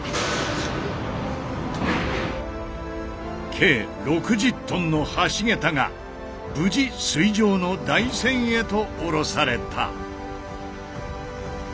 計６０ｔの橋桁が無事水上の台船へとおろされた。